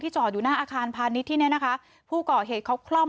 จอดอยู่หน้าอาคารพาณิชย์ที่เนี้ยนะคะผู้ก่อเหตุเขาคล่อม